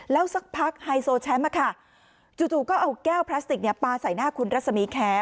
แล้วสักพักไฮโซแชมป์จู่ก็เอาแก้วพลาสติกปลาใส่หน้าคุณรัศมีแค